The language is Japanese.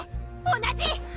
同じ！